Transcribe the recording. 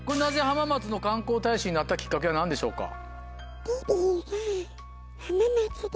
浜松の観光大使になったきっかけは何でしょうか？